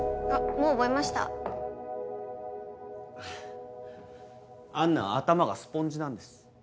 もう覚えましたアンナは頭がスポンジなんです